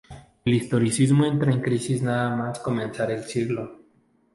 El historicismo entra en crisis nada más comenzar el siglo.